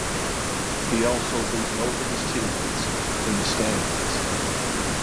He also beat both of his teammates in the standings.